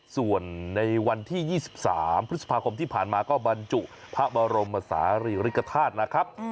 ส่วนในวันที่๒๓พฤษภาคมที่ผ่านมาก็บรรจุพระบรมศาลีริกฐาตุนะครับ